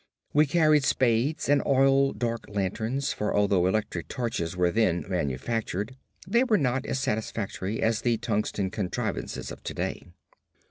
We carried spades and oil dark lanterns, for although electric torches were then manufactured, they were not as satisfactory as the tungsten contrivances of today.